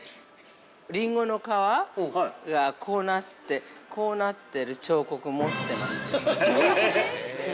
◆リンゴの皮がこうなってる彫刻を持ってます。